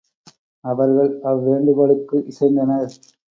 அவர்கள் அவ்வேண்டுகோளுக்கு இசைந்தனர்.